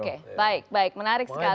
oke baik baik menarik sekali